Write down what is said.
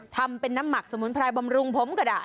ทำเป็นน้ำหมักสมุนไพรบำรุงผมก็ได้